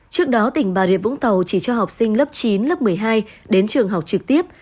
trước đó tỉnh bà rịa vũng tàu chỉ cho học sinh lớp chín lớp một mươi hai đến trường học trực tiếp